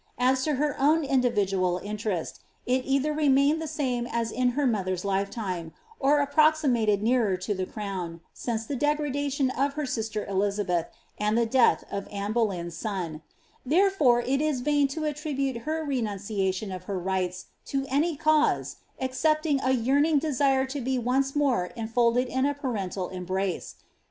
As to her own individual interest, it either remained the same as in her mother's lifetime, or approximated nearer to the crown, since tlie degradation of her sister Elizabeth, and tlie death of Anne Holeyn's son ; therefore it is vain to attribute her renunciation of her rights to any cause, excepting a yearning desire to be once more enfolded in a parental embrace.